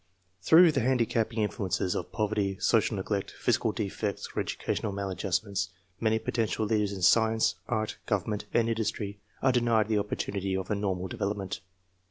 Through the handicapping influences of poverty, social neglect, physical defects, or educational maladjust ments, many potential leaders in science, art, govern ment, and industry arc denied the opportunity of a normal development.